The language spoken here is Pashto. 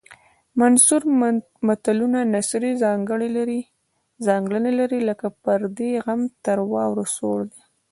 منثور متلونه نثري ځانګړنې لري لکه پردی غم تر واورو سوړ دی